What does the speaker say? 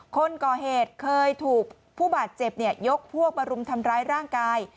คนก่อเหตุเคยถูกผู้บาดเจ็บยกพวกมารุมทำร้ายร่างกาย